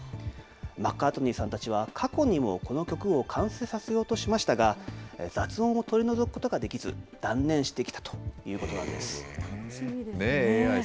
マッカートニーさんたちは、過去にもこの曲を完成させようとしましたが、雑音を取り除くことができず、断念してきたということなんです。